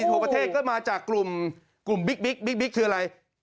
ทั่วประเทศก็มาจากกลุ่มบิ๊กคืออะไร